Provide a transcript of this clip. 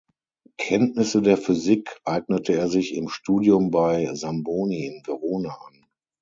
Kenntnisse der Physik eignete er sich im Studium bei Zamboni in Verona an.